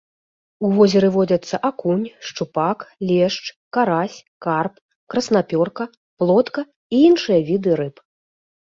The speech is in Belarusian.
У возеры водзяцца акунь, шчупак, лешч, карась, карп, краснапёрка, плотка і іншыя віды рыб.